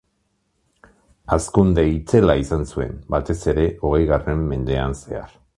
Hazkunde itzela izan zuen, batez ere, hogeigarren mendean zehar.